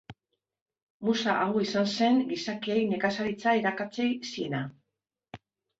Musa hau izan zen gizakiei nekazaritza irakatsi ziena.